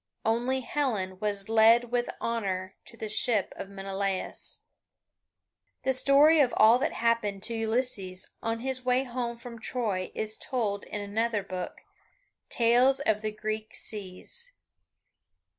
Only Helen was led with honour to the ship of Menelaus. The story of all that happened to Ulysses on his way home from Troy is told in another book, "Tales of the Greek Seas."